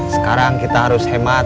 sekarang kita harus hemat